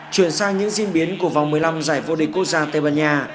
chuyển sang những diễn biến của vòng một mươi năm giải vô địch quốc gia tây ban nha